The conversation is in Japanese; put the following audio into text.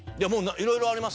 いろいろ？あります。